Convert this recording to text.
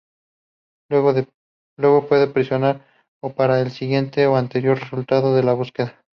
Luego puede presionar o para el siguiente o anterior resultado de la búsqueda.